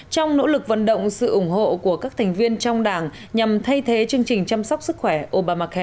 trong nỗ lực vận động sự ủng hộ của các thành viên trong đảng nhằm thay thế chương trình chăm sóc sức khỏe obamacai